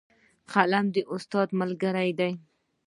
قلم د استاد ملګری دی